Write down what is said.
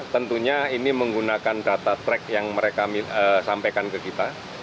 tentunya ini menggunakan data track yang mereka sampaikan ke kita